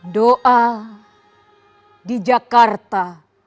doa di jakarta